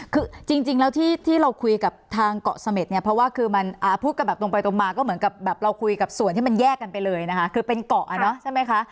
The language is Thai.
คือจริงแล้วที่เราคุยกับทางเกาะเสม็ดเนี่ยเพราะว่าคือมันพูดกันแบบตรงไปตรงมาก็เหมือนกับแบบเราคุยกับส่วนที่มันแยกกันไปเลยนะคะคือเป็นเกาะใช่ไหมคะ